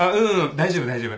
大丈夫大丈夫。